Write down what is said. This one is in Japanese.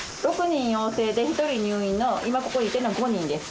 ６人陽性で、１人入院の今、ここにいてるのは５人です。